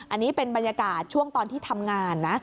อันนี้เป็นบรรยากาศช่วงตอนที่ทำงานนะ